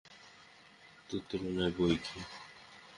তোর তুলনায় অনেক বৈকি।